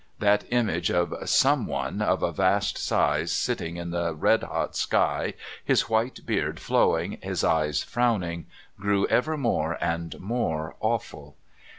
That image of Someone of a vast size sitting in the red hot sky, his white beard flowing, his eyes frowning, grew ever more and more awful.